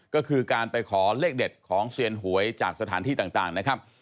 ก็คือการไปขอเลขเด็ดของเซียนหวยจากสถานที่ต่างนะครับ